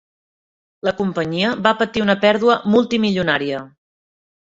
La companyia va patir una pèrdua multimilionària.